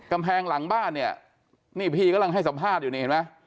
กำแพงหลังบ้านเนี่ยนี่พี่กำลังให้สัมภาษณ์อยู่นี่เห็นไหม